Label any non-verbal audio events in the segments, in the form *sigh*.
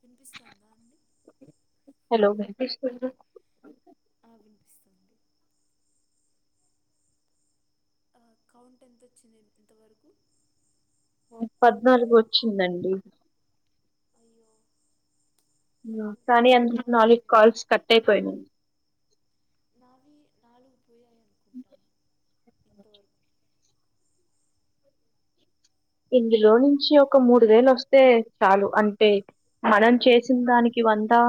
వినిపిస్తుందా అండి హలో ఆ వినిపిస్తుంది *inaudible* పద్నాలుగు వచ్చిందండి కానీ అందులో నాలుగు కాల్స్ కట్ అయిపోయినయ్ *inaudible* అంట ఇంతవరకు ఇందులో నుంచి ఒక మూడు వేలు వస్తే చాలు అంటే మనం చేసిన దానికి వందా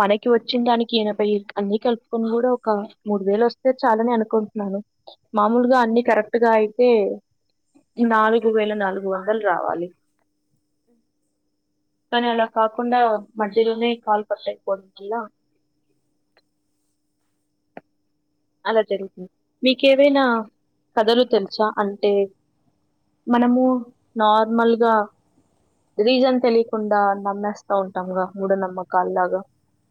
మనకి వచ్చిన దానికి ఏనబై అన్ని కలుపుకొని కూడా ఒక మూడు వేలు వస్తే చాలని అనుకుంటున్నా మామూలుగా అన్ని కరెక్ట్ గా అయితే నాలుగు వేల నాలుగు వందలు రావాలి కాని అలా కాకుండా మధ్యలోనే కల్ పట్ట పోదిగా అలా జరుగుతుంది మీకేవైనా కథలు తెలుసా అంటే మనము నార్మల్గా రీజన్ తెలియకుండా నమ్మేస్తా ఉంటాంగా మూఢనమ్మకాలలాగా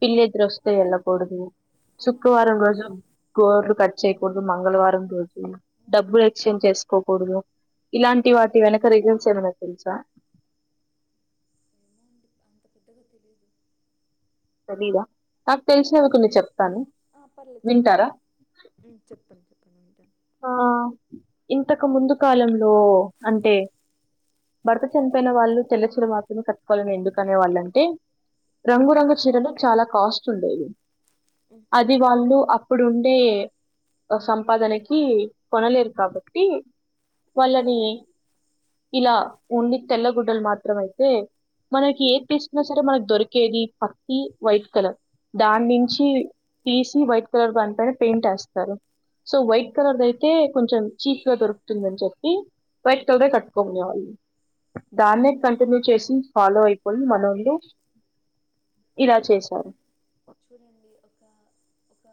పిల్లిఎదురొస్తే ఎలా కూడదు శుక్రవారం రోజు గోర్లు కట్ చేయకూడదు మంగళవారం రోజు డబ్బులు ఎక్స్చేంజ్ చేసుకోకూడదు ఇలాంటి వాటి వెనక రిజన్స్ ఏమన్నా తెలుసా ఏమో అండి అంత పెద్దగా తెలీదు నాకు తెలిసినవి కొన్ని చెప్తాను ఆ పర్లేదు చెప్పండి వింటారా ఉమ్, చెప్పండి చెప్పండి వింటాను ఆ ఇంతకు ముందు కాలంలో అంటే భర్త చనిపోయిన వాళ్ళు తెల్లచీర మాత్రమే కట్టుకోవాలని ఎందుకనే వాళ్ళంటే రంగురంగు చీరలు చాలా కాస్ట్ ఉండేవి అది వాళ్ళు అప్పుడు ఉండే సంపాదనకి కొనలేరు కాబట్టి వాళ్ళని ఇలా ఓన్లీ తెల్ల గుడ్డలు మాత్రమే అయితే మనకి ఏ తీస్తున్నా సరే మనకు దొరికేది పత్తి వైట్ కలర్ దాని నుంచి తీసి వైట్ కలర్ దానిపైన పెయింట్ వెస్తారు సో వైట్ కలర్ దయితే కొంచెం చీప్ గా దొరుకుతుందని చెప్పి వైట్ కలర్ కట్టుకునేవాళ్లు దాన్నే కంటిన్యూ చేసి ఫాలో అయిపోయి మనందు ఇలా చేశారు చూడండి ఒక ఒక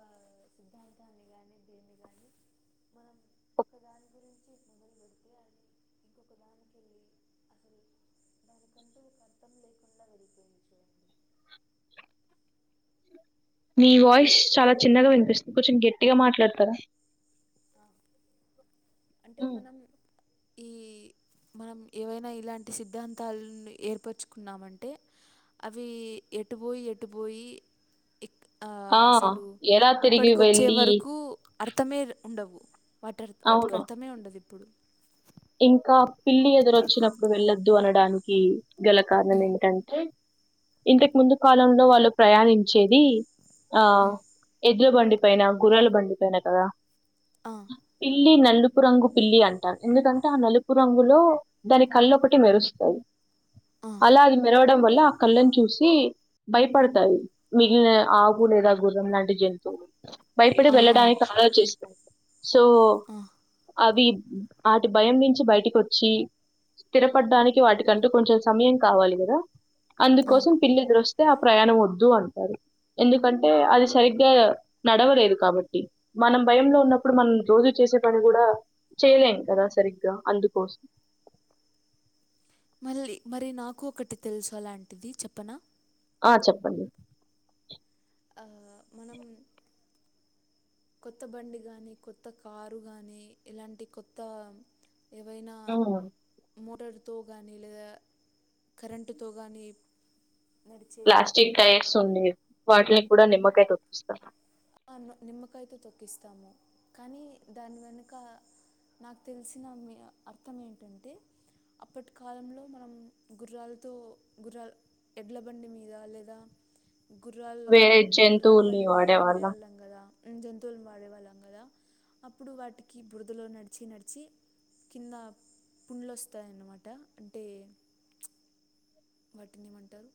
సిద్ధాంతాన్ని కాని దీన్ని కాని మనం ఒక దాని గురించి మొదలు పెడితే అని అ దానికంటూ ఒక అర్థం లేకుండా వెళ్ళిపోయింది చూడండి మీ వాయిస్ చాలా చిన్నగా వినిపిస్తుంది కొంచెం గట్టిగా మాట్లాడతారా అంటే మనం ఈ మనం ఏవైనా ఇలాంటి సిద్ధాంతాలను ఏర్పరచుకున్నామంటే అవి ఎటు పోయి ఎటు పోయి ఆ అసలు ఎలా తిరిగి ఇప్పటికోచీ వెళ్ళి ఎవరకు అర్థమే ఉండవు వాటిర్ వాటికి అవును. అర్థమే ఉండదు ఇప్పుడు ఇంకా పిల్లి ఎదురుచ్చినప్పుడు వెళ్లొద్దు అనడానికి గల కారణం ఏమింటంటే ఇంతకు ముందు కాలంలో వాళ్ళు ప్రయాణించేది ఆ ఎద్ల బండి పైనా గుర్రాల బండి పైనా కదా ఆ పిల్లి నలుపు రంగు పిల్లి అంటాను ఎందుకంటే ఆ నలుపు రంగులో దాని కళ్ళు ఒకటి మెరుస్తాయి అలా అది మెరవడం వల్ల ఆ కళ్ళని చూసి భయపడతాయి మిగిలిన ఆకు లేదా గుర్రం లాంటి జంతువులు భయపడి ఆ, ఆ, వెళ్ళడానికి ఆలోచిస్తది సో ఆ, అవి వాటి భయం నుంచి బయటికి వచ్చి స్థిరపడడానికి వాటికంటూ కొంచెం సమయం కావాలి కదా ఆ. అందుకోసం పిల్లిఎదురో స్తే ఆ ప్రయాణం వద్దు అంటారు ఎందుకంటే అది సరిగ్గా నడవలేదు కాబట్టి మనం భయంలో ఉన్నప్పుడు మనం రోజు చేసే పని కూడా చేయలేను కదా సరిగ్గా అందుకోసం మళ్ళీ మరి నాకు ఒకటి తెలుసు అలాంటిది చెప్పనా ఆ చెప్పండి ఆ మనం కొత్త బండి కానీ కొత్త కారు గానీ ఇలాంటి కొత్త ఏవైనా మోటార్తో కానీ లేదా కరెంటుతో కానీ నడిచే ప్లాస్టిక్ టైర్స్ ఉండి వాటిని కూడా నిమ్మకాయ తొప్పిస్తారు నిమ్మకాయితో తొక్కిస్తాము కానీ దాని వెనుక నాకు తెలిసిన అర్థం ఏంటంటే అప్పటి కాలంలో మనం గుర్రాలతో గుర్రాలు ఎడ్ల బండి మీద లేదా వేరే జంతువుల్ని వాడే వా దేవళ్లంగద జంతువులు వాడేవాళ్ళం కదా అప్పుడు వాటికి బురదలో నడిచి నడిచి కింద పుండ్లు వస్తాయన్నమాట అంటే వాటిని ఏమంటారు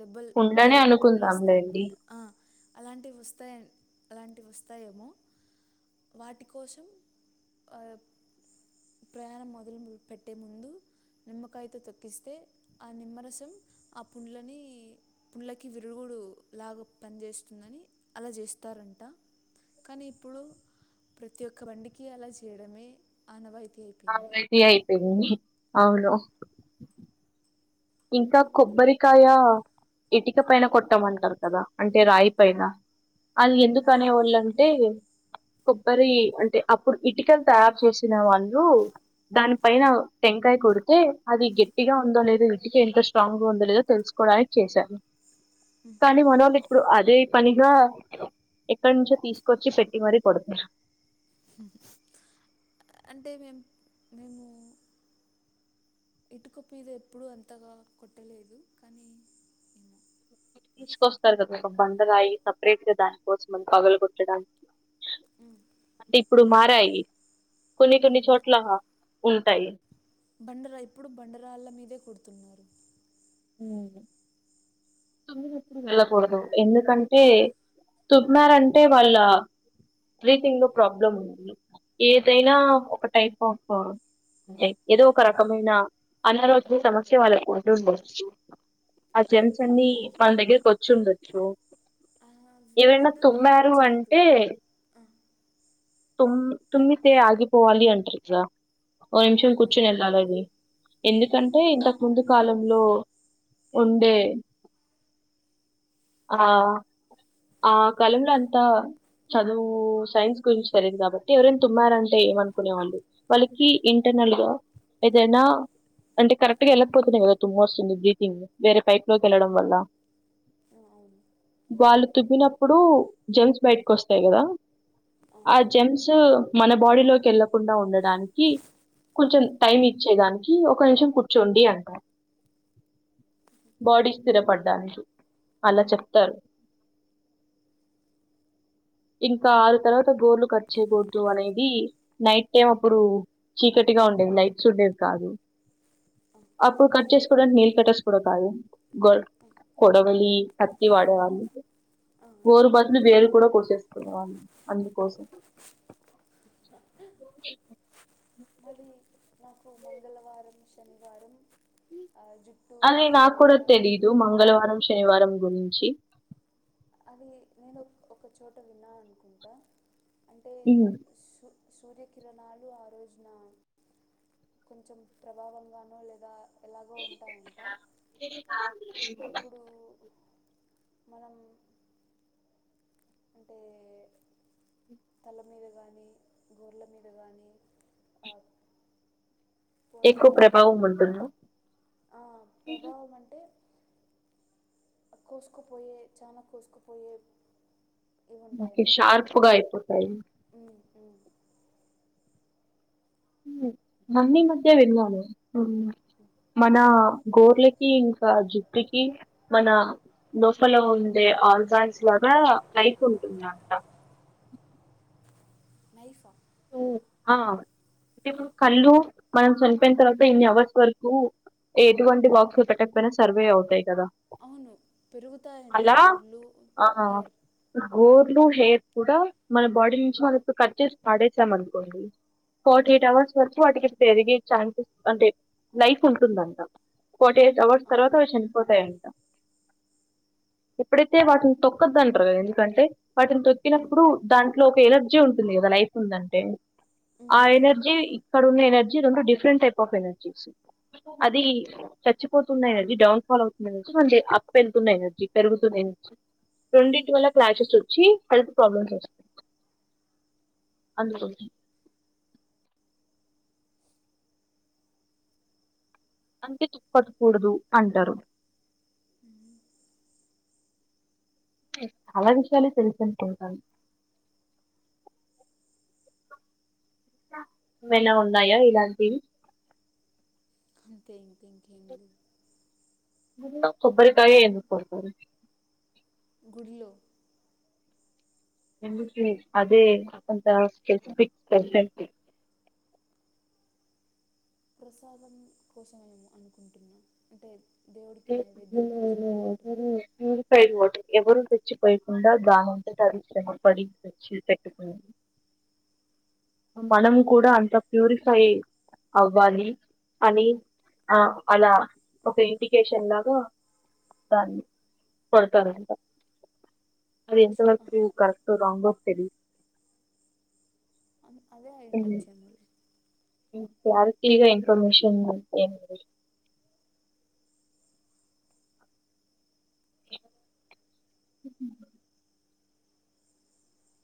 దెబ్బలు ఉండనే ఏదో పుండ్లు అనుకుందాంలేండి వస్తాయన్నమాట అలాంటివి వస్తాయ అలాంటివి వస్తాయేమో వాటి కోసం ఆయ్ ప్రయాణం మొదలు పెట్టే ముందు నిమ్మకాయతో తొక్కిస్తే ఆ నిమ్మరసం ఆ పుండ్లని పుండ్లకి విరుగుడు లాగా పనిచేస్తుంది అని అలా చేస్తారంట కానీ ఇప్పుడు ప్రతి ఒక్క బండికి అలా చేయడమే ఆనవాయితీ అయిపోయింది అన్వాయితీ అయిపోయింది అవును ఇంకా కొబ్బరికాయ ఇటుక పైన కొట్టామంటారు కదా అంటే రాయి పైన అది ఎందుకు అనేవాళ్ళంటే కొబ్బరి అంటే అప్పుడు ఇటుకలు తయారు చేసిన వాళ్ళు దాని పైన టెంకాయ కొడితే అది గట్టిగా ఉందో లేదో ఇ ఎంత స్ట్రాంగ్ గా ఉందో లేదో తెలుసుకోవడానికి చేశారు కానీ మన వాళ్ళ ఇప్పుడు అదే పనిగా ఎక్కడ నుంచో తీసుకొచ్చి పెట్టి మరీ కొడతుారు అంటే మేము మేము ఇటుక మీద ఎప్పుడూ అంతగా కొట్టలేదు కానీ ఏమో తీసుకొస్తారు కదా ఒక బండరాయి సపరేట్ గా దానికోసం అని పగల కొట్టడానికి ఉ అంటే ఇప్పుడు మారాయి కొన్ని కొన్ని చోట్ల ఉంటాయి బండరా ఇప్పుడు బండరాళ్ళ మీదే కొడుతున్నారు తొర *unintelligible* వెళ్ళకూడదు ఎందుకంటే చెప్నారంటే వాళ్ళ బ్రీతింగ్ లో ప్రాబ్లమ్ ఉన్నది ఏదైనా ఒక టైప్ ఆఫ్ అ ఏదో ఒక రకమైన అనారోగ్య సమస్య వాళ్ళకు ఉంటుంది ఆ ఎ- జెర్న్స్ అన్ని ఎవరికి మన దగ్గరకి వచ్చుండొచ్చు ఆ, ఏవైనా ఇందాక తుమ్మారు వినిపించలేదు అంటే తమ్ తుమ్మితే ఆగిపోవాలి అంట్రగా ఓ నిమిషం కూర్చుని వెళ్ళాలండి ఎందుకంటే ఇంతకు ముందు కాలంలో ఉండే ఆ ఆ కాలంలో అంతా చదువు సైన్స్ గురించి తెలీదు కాబట్టి ఎవరైనా తుమ్మారంటే ఏమనుకునే వాళ్ళు వాళ్ళకి ఇంటర్నల్ గా ఏదైనా అంటే కరెక్ట్గా వెళ్ళకపోతున్నాయి కదా తుమ్మ వస్తుంది బ్రీతింగ్ వేరే పైప్ లోకి వెళ్ళడం వల్ల వాళ్లు తుమ్మినప్పుడు జర్మ్స్ బయటకు వస్తాయి కదా ఆ జెమ్స్ మన బాడీలోకి వెళ్ళకుండా ఉండడానికి కొంచెం టైం ఇచ్చేదానికి ఒక నిమిషం కూర్చోండి అంటారు బాడీ స్థిరపడ్డానికి అలా చెప్తారు ఇంకా ఆరు తర్వాత గోర్లు కట్ చేయకూడదు అనేది నైట్ టైం అప్పుడు చీకటిగా ఉండేది లైట్స్ ఉండేది కాదు అప్పుడు కట్ చేసుకోవడానికి నెయిల్ కటర్స్ కూడా కాదు గో కొడవలి కత్తి వాడేవాళ్ళు గోరు బదులు వేరు కూడా కోసేసుకునేవాళ్లు అందుకోసం *inaudible* మరి నాకు మంగళవారం శనివారం ఆ, జుట్టు అదే కానీ నాకు కూడా లేదా తెలిదు గోర్లు మంగళవారం శనివారం గురి చి అది నేను ఒక చోట విన్నాను అనుకుంటా మ్మ్ సూర్యకిిరణాలు ఆ రోజున కొంచెం ప్రభావంగానో లేదా ఎలాగో ఉంటాయంట అప్పుడు మనం అంటే తల మీద కానీ గోర్ల మీద కానీ ఎక్కువ ప్రభావం ఉంటుందా ఆ ప్రభావం అంటే కోసుకుపోయే చాలా కోసుకుపోయే ఇవి ఓకే ఉంటాయన్నమాట షార్ప్ గా అయిపోతాయి మొన్న ఈమధ్య వెళ్లాను మన గోర్లకి ఇంకా జుట్టుకి మన లోపల ఉండే ఆర్గాన్స్ కి అ లైఫ్ ఉంటుందంట నైఫ్ హ ఆ అంటే కళ్ళు మనం చనిపోయిన తర్వాత ఇన్ని అవర్స్ వరకు ఎటువంటి బాక్స్లు పెట్టకపోయినా సర్వే అవుతాయి కదా అవును పెరుగుతాయంట అలా గోర్లు హెయిర్ అంటే గోర్లు ఆ హెయిర్ కూడా మన బాడీ నుంచి మనం కట్ చేసి పాడేసాం అనుకోండి ఫార్టీ ఎయిట్ అవర్స్ వరకు వాటికి పెరిగే ఛాన్సెస్ అంటే లైఫ్ ఉంటుందంట ఫోర్టీ ఎయిట్ అవర్స్ తర్వాత అవి చనిపోతాయంట ఎప్పుడైతే వాటిని తొక్కొదు అంటారు కదా ఎందుకంటే వాటిని తొక్కినప్పుడు దాంట్లో ఒక ఎనర్జీ ఉంటుంది కదా లైఫ్ ఉందంటే ఆ ఎనర్జీ ఇక్కడ ఉన్న ఎనర్జీ రెండు డిఫరెంట్ టైప్ ఆఫ్ ఎనర్జీస్ అది చచ్చిపోతున్న ఎనర్జీ డౌన్ ఫాల్ అవుతుంది ఎనర్జీ మే అప్ వెళ్తున్న ఎనర్జీ పెరుగుతుంది రెండిటి వల్ల ప్లాసెస్ వచ్చి హెల్త్ ప్రాబ్లమ్స్ వస్తాయి అందుకనే అందుకే తొక్కకూడదు అంటారు మ్మ్ అలాంటి విషయాలు తెలిసి ఉంటాయి మా ఏమైనా ఉన్నాయా ఇలాంటివి అంతే ఇంకేంటివి అండి గుడిలో కొబ్బరికాయ ఎందుకు కొడతారు గులో ఎందుకు అదే కొంత స్పెసిఫిక్ ప్రెసెంట్ ప్రసాదం కోసం అనుకుంటున్నా అంటే దేవుడికి నైవేద్యం కోసం అనుకుంటున్నా ప్యూరిఫైడ్ వాటర్ ఎవరు తెచ్చిపోయకుండా దానంతట అది శ్రమపడి వచ్చి పెట్టుకొని మనము కూడా అంత ప్యూరిఫై అవ్వాలి అని ఆ అలా ఒక ఇంటి కేషన్ దాకా దాన్ని కొడతారాంట అది ఎంతవరకు కరెక్టో రాంగో తెలిదు అ అదే అయిండచ్చేమోలే ఇంకా క్లారిటీగా ఇన్ఫర్మేషన్ అ *unintelligible* ఉహు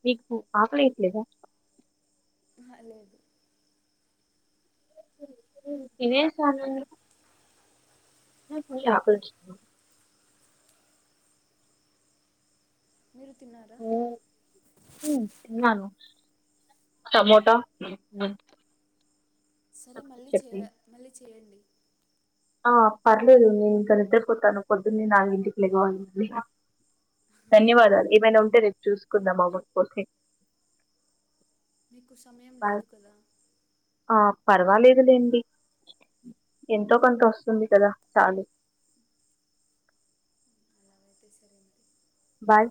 మీకు ఆకలే ఏట్లేదా ఆహ లేదు ఇవే సా నన్న నాకు ఫుల్గా ఆకలి అచ్చింది మీరు తిన్నారా? ఉమ్మ్ తిన్నాను టమోటా సరే మళ్ళీ చేయ చెప్పి మళ్ళీ చేయండి. ఆ పర్లేదు నేను ఇంకా నిద్రపోతాను పొద్దున్నే నాల్గింటికి లేగవాలి అని హ్ ధన్యవాదాలు ఏమైనా ఉంటే రేపు చూసుకుందాం అవ్వకపోతే మీకు సమయం లేదు కదా? పర్వాలేదు లేండి ఎంతో కొంతొ అస్త్ ఒస్తుంది కదా చాలు అయితే సరే అండి బాయ్